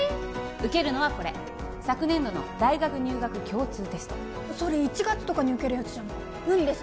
受けるのはこれ昨年度の大学入学共通テストそれ１月とかに受けるやつじゃん無理です